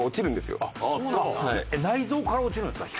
内臓から落ちるんですか？